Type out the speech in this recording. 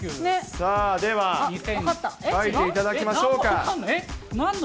さあ、では、書いていただきましょうか。